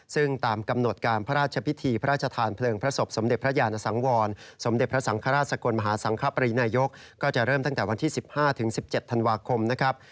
ซึ่งตามกำหนดการพระราชพิธีพระราชทานเพลิงพระศพสมเด็จพระยานสังวรสมเด็จพระสังฆราชสกลมหาสังคปรีนายกก็จะเริ่มตั้งแต่วันที่๑๕๑๗ธันวาคมนะครับ